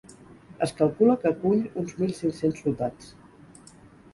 Es calcula que acull uns mil cinc-cents soldats.